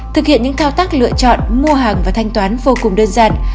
thực hiện những thao tác lựa chọn mua hàng và thanh toán vô cùng đơn giản